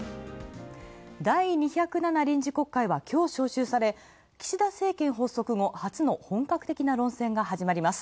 第２０７臨時国会召集はきょう招集され、岸田総理政権発足ご、初の本格的な論争が始まります。